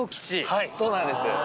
はい、そうなんです。